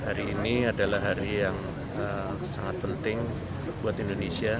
hari ini adalah hari yang sangat penting buat indonesia